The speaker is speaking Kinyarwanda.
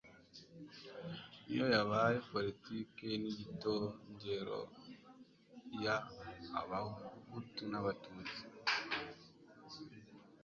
niyo yabaye politiki n'igitongero ya abahutu n'abatutsi